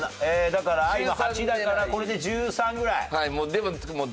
だから今８だからこれで１３ぐらい。